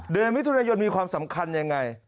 เดือนมิถุนายนมีความสำคัญยังไง